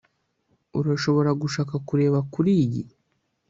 urashobora gushaka kureba kuriyi